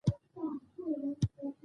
د نوي کال دوهمه ورځ وه.